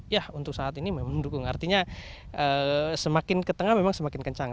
ya untuk saat ini memang mendukung artinya semakin ke tengah memang semakin kencang